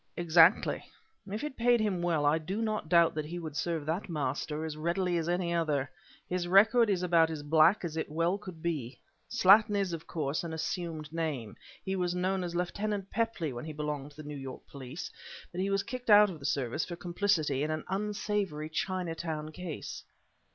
"Exactly! If it paid him well I do not doubt that he would serve that master as readily as any other. His record is about as black as it well could be. Slattin is of course an assumed name; he was known as Lieutenant Pepley when he belonged to the New York Police, and he was kicked out of the service for complicity in an unsavory Chinatown case."